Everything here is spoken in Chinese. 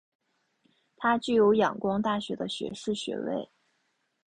他具有仰光大学的学士学位。